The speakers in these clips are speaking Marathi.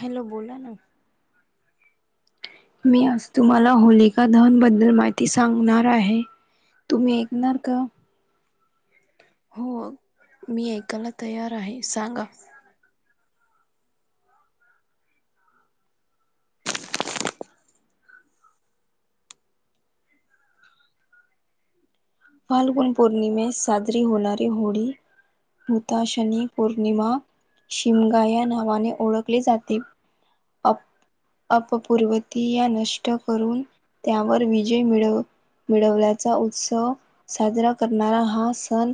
हॅलो बोला ना. मी आज तुम्हाला होलिका धहन बद्दल माहिती सांगणार आहे. तुम्ही ऐकणार का? हो मी ऐकायला तयार आहे सांगा. [inaudible] फाल्गुन पौर्णिमे साजरी होणारी होळी, हुताशनी पौर्णिमा. शिमगा या नावाने ओळखले जाते. अपपूर्वती या नष्ट करून त्यावर विजय मिळवून मिळवल्याचा उत्सव. साजरा करणारा हा सण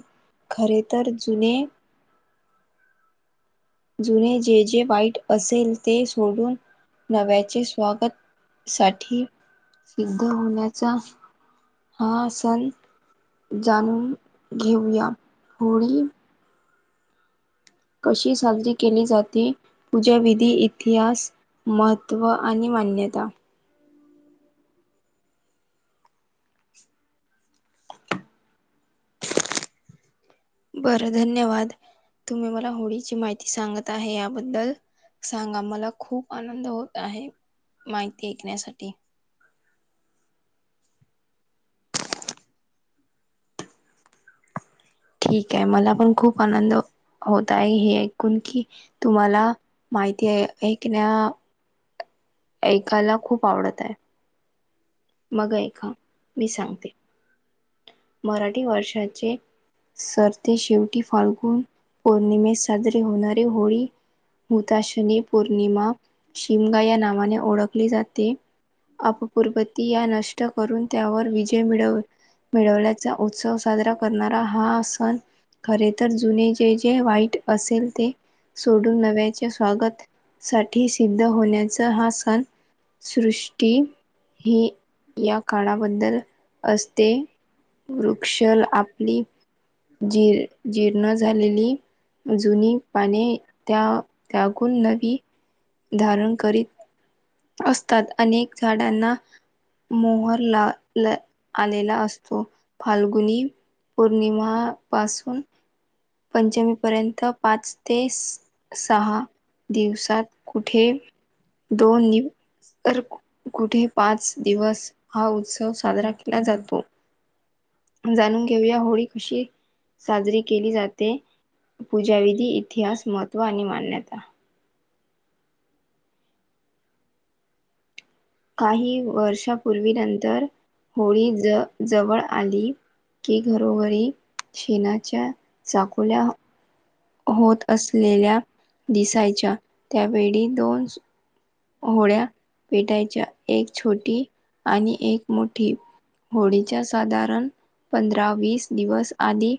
खरे तर जुनेच. जुने जे जे वाईट असेल ते सोडून नव्याचे स्वागत. साठी, सिद्ध होण्याचा. हा सण जाणून घेऊया होळी. कशी साजरी केली जाती? पूजा विधी इतिहास. महत्त्व आणि मान्यता. [inaudible] [inaudible] बरं धन्यवाद. तुम्ही मला होळीची माहिती सांगत आहे याबद्दल. सांगा मला खूप आनंद होत आहे माहिती ऐकण्यासाठी. ठीक आहे मला पण खूप आनंद हो होत आहे हे ऐकून की तुम्हाला माहिती आहे ऐकण्या. ऐकायला खूप आवडत आहे. मग ऐका मी सांगते. मराठी वर्षाचे सरते शेवटी फाल्गुून पौर्णिमेस. साजरीे होणारे होळी. हुताशनी पौर्णिमा शिमगा या नावाने ओळखली जाते. अपपूवर्ती या नष्ट करून त्यावर विजय मिळव. मिळवल्याचा उत्सव साजरा करणारा हा खरे तर जुने जे जे वाईट असेल ते. सोडून नव्याच्या स्वागत साठीच. सिद्ध होण्याचा हा सण, सृष्टी ही या काळाबद्दल असते. वृक्षल आपली जी जीर्ण झालेली. जुनी पाने त्या त्यागून नवी धारण करीत. असतात अनेक झाडांना. मोहरला लई आलेला असतो फाल्गुनी पोर्णिमा पाासून. पंचमीपर्यंत पाच ते सहा दिवसात कुठे दोन दिवे तर कुठे पाच दिवस हा उत्सव साजरा केला जातो. जाणून घेऊया होळी कशी साजरी केली जात पूजाविधी इतिहास महत्त्व आणि मान्यता. काही वर्षापूर्वी नंतर होळी ज जवळ आली. की घरोघरी शेणाच्या चाखोल्या. होत असलेल्या दिसायच्या त्यावेळी दोन होळ्या पेटायच्या. एक छोटी आणि एक मोठी होळीच्या साधारण पंधरा वीस दिवस आधी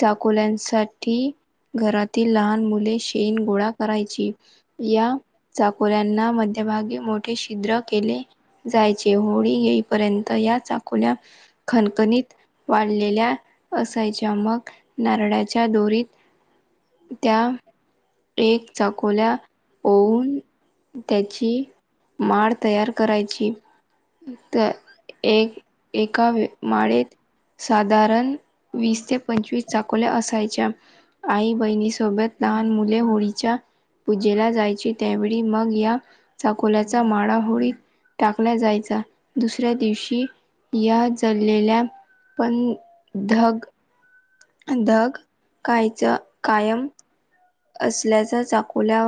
चाकोल्यांसाठी. घरातील लहान मुले शेन गोळा करायची, या चाकोऱ्यांना मध्यभागी मोठे छिद्र केले जायचे, होडी येई. पर्यंत याच अकोल्या खनखणीत वाढलेल्या असायच्या मग नारळा च्या गोरीत, त्या एक चकोल्या ओवून. त्याची माळ तयार करायची. तर एक एका माळेत साधारण वीस ते पंचव चाकोल्या असायच्या आई बहिणी सोबत लहान मुले होळीच्या. पूजेला जायचे त्यावेळी मग या चाकोल्याचा माळा होळी टाकला जायचा, दुसऱ्या दिवशी या जललेल्या. पण ग धग कायच कायम. असल्याचा चाकोला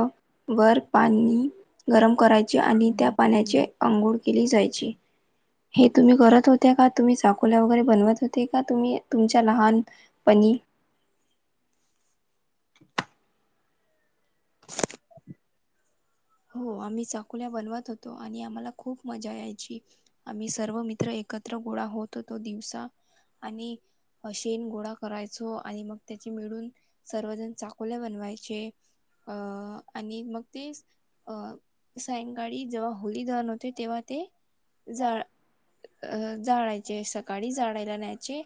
वर पाणी गरम करायचे आणि त्या पाण्याचे आंघोळ केली जायचे. हे तुम्ही करत होत्या का तुम्ही साकोल्या वगैरे बनवत होते का तुम्ही तुमच्या लहानपणी? [inaudible] हो, आम्ही चाकोल्या बनवत होतो आणि आम्हाला खूप मज्जा यायची. आम्ही सर्व मित्र एकत्र गोळा होतो तो दिवसा आणि. शेन गोळा करायचो आणि मग. त्याचे मिळून सर्वजण चाकोल्या बनवायचे अ आणि मग तेच. अ सायंकाळी जेव्हा होळी दहन होते तेव्हा ते. जाळ अ जाळायचे सकाळी जाळायला न्यायचे.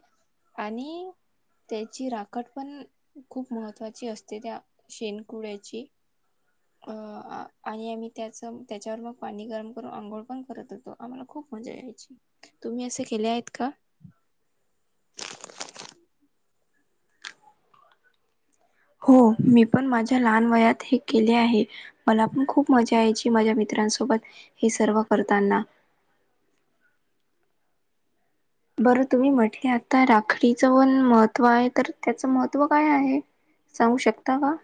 आणि त्याची राखट पण खूप महत्त्वाची असते त्या शेणकुळ्याची अ आणि आम्ही त्याच त्याच्यावर मग पाणी गरम करून आंघोळ पण करत होतो आम्हाला खूप मजा यायची. तुम्ही असे केले आहेत का? हो मी पण माझ्या लहान वयात हे केले आहे मला पण खूप मजा यायची माझ्या मित्रांसोबत हे सर्व करताना. बरं तुम्ही म्हंटले आता राखडीचं पण महत्त्व आहे, तर त्याचं महत्त्व काय आहे, सांगू शकता का?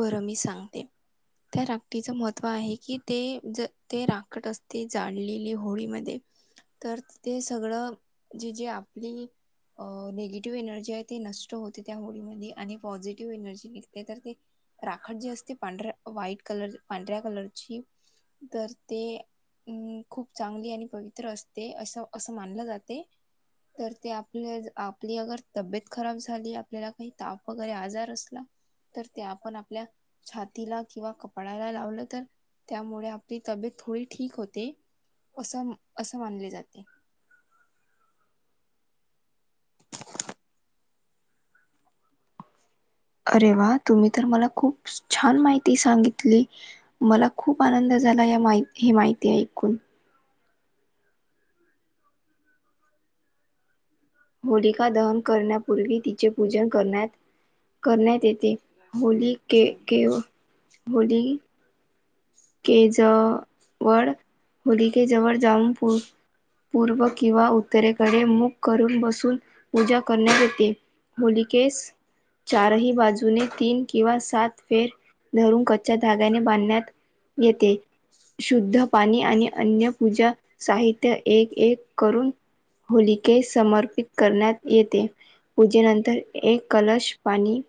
बरं मी सांगते. त्या राकटीचं महत्त्व आहे की ते ज ते राकट असते जाळलेली होळीमध्ये. [inaudible] [unintelligible] तर ते सगळं जे-जे आपली अ निगेटिव्ह एनर्जी आहे ते नस तो होती त्या होडीमध्ये आणि पॉझिटिव्ह एनर्जी निघते. तर ते राखड जे असते पांढर व्हाईट कलर पांढऱ्या कलरची तर ते अ खूप चांगली आणि पवित्र असते अस अस मानलं जाते. तर ते आपल्या आपली अगर तब्येत खराब झाली आपल्याला काही ताप वगैरे आजार असला ते आपण आपल्या छातीला किंवा कपाळाला लावलं तर त्यामुळे आप ते तब्येत थोडी ठीक होते असं म असं मानले जाते. अरे वा तुम्ही तर मला खूप छान माहिती सांगितली. मला खूप आनंद झाला या माही माहिती ऐकून. होलिका दहन करण्यापूर्वी तिचे पूजन करण्यात करण्यात येते. होली के केव होली के जवळ होली के जवळ जाऊन पूर पूर्व किंवा उत् तेकडे मुक करून बसून पूजा करण्यात येते होलिकेस चारही बाजूने तीन किंवा सात फेर धरून कच्च्या धाग्याने बांधण्यात येते. शुद्ध पाणी आणि अन्य पूजा साहित्य एक एक करून होलिके समर्पित करण्यात येते पूजेनंतर एक कलश पाणी.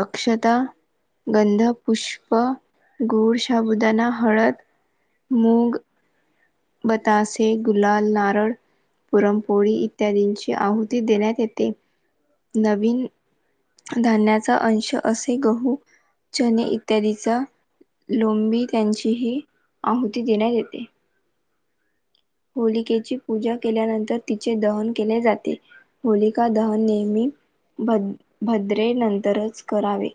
अक्षता गंध पुष्प गोडशाब उदना हळद मुंग बतासे, गुलाल, नारळ पुरमपोळी इत्यादींची आहुती देण्यात येते नवीन धान्याचा अंश असे गहू, ‌चने इत्यादीचा लोंबी, त्यांचीही आहुती देण्यात येते. होलिकेची पूजा केल्यानंतर तिचे दहन केले जाते. होलिका दहन नेहमी भ-भद्रे नंतरच करावे.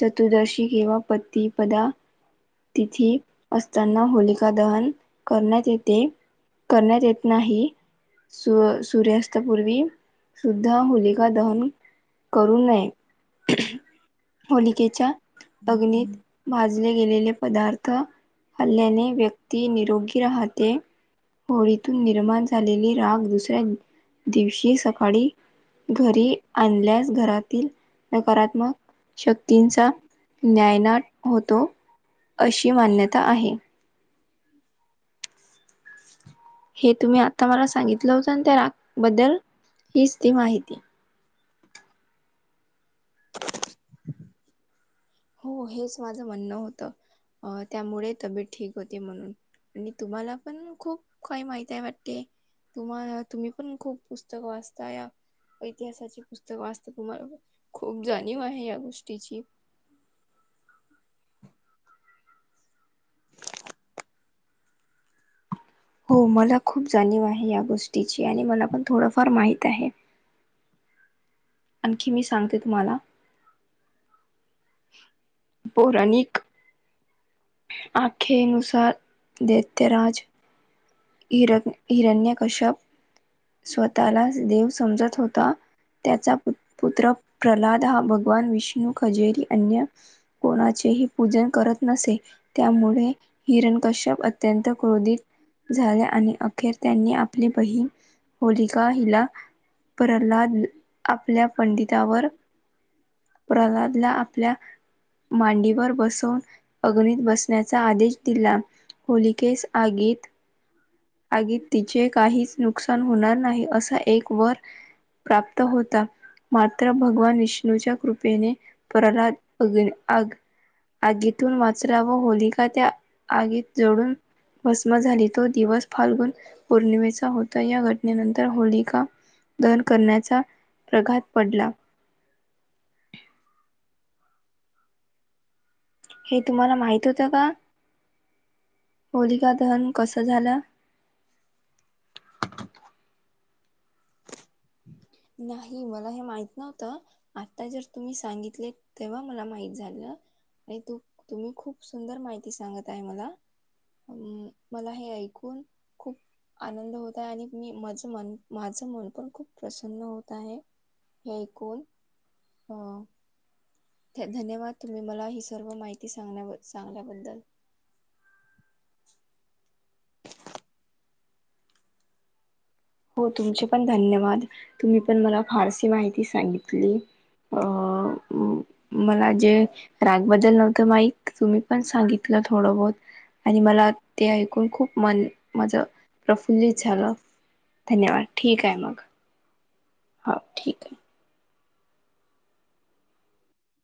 चतुर्दशी किंवा पतिपदा तिथे असताना होलिका दहन करण्यात येते करण्यात येत नाही. सु-सूर्यास्तपूर्वी सुद्धा होलिका दहन करू नये. होलिकेच्या भग्नीत भाजले गेलेले पदार्थ खाल्ल्याने व्यक्ती निरोगी राहते. होळीतून निर्माण झालेली राख दुसऱ्या दिवशी सकाळी घरी आणल्यास घरातील नकारात्मक शक्तींचा न्यायनाट होतो. अशी मान्यता आहे. हे तुम्ही आता मला सांगितलं होतं. ना त्या राख बद्दल हीच ती माहिती. हो हेच माझं म्हणणं होतं. अ त्यामुळें तब्येत ठीक होती म्हणून. आणि तुम्हाला पण खूप काय माहिती हाय वाटते. तुम्हाला तुम्ही पण खूप पुस्तकं वाचता या. इतिहासाची पुस्तक वाचतं तुम्हाला खूप जाणीव आहे या गोष्टीची. [inaudible] हो मला खूप जाणीव आहे. या गोष्टीची आणि मला पण थोडंफार माहित आहे. आणखी मी सांगते तुम्हाला. पौराणिक आखेनुसार देेते राज. हिर हिरण्य कश्यप स्वतःलाच देव समजत होता. त्याचा पु पुत्र प्रल्हाद हा भगवान विष्णू खजेरी अन्य कोणाचेही पूजन करत नसे त्यामुळे हिरण कश्यप अत्यंत क्रोधित झाले आणि अखेर त्यांनी आपली बहीण होलिका हिला प्रल्हाद आपल्या पंडितावर. प्रल्हादला आपल्या मांडीवर बसवून अग्नीत बसण्याचा आदेश दिला. होलिकेस आगीत. आगीत तिचे काहीच नुकसान होणार नाही असा एक वर. प्राप्त होता. मात्र भगवान विष्णूच्या कृपेने प्रल्हाद. अगे आग आगीतून वाचला व होलिका त्या आगीत जळून भस्म झाली तो दिवस फाल्गुन पौर्णिमेचा चा होता या घटनेनंतर होलिका दहन करण्याचा प्रघात पडला. हे तुम्हाला माहित होतं का. होलिका दहन कस झालं. नाही मला हे माहित नव्हतं. आता जस्ट तुम्ही सांगितले तेव्हा मला माहित झालं. आणि तू तुम्ही खूप सुंदर माहिती सांगत आहे मला. पण मला हे ऐकून खूप आनंद होत आहे आणि मी माझं मन माझं मन पण खूप प्रसन्न होत आहे. हे ऐकून अ थ धन्यवाद तुम्ही मला ही सर्व माहिती सांगण्या सांगल्याबद्दल. हो तुमचे पण धन्यवाद. तुम्ही पण मला फारशी माहिती सांगितली. अ मला जे राग बद्दल नव्हतं माही तुम्ही पण सांगितलं थोडं बहुत आणि मला ते ऐकून खूप मन माझं प्रफुल्लित झालं. धन्यवाद ठीक आहे मग हाव ठीक आहे.